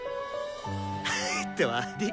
ってわり！